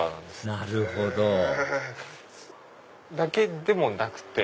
なるほどだけでもなくて。